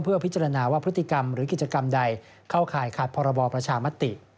เพื่อพิจารณาว่าพฤติกรรมหรือกิจกรรมใดเข้าข่ายขาดพรบประชามติ